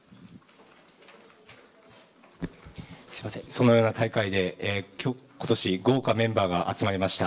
そのような大会で今年豪華メンバーが集まりました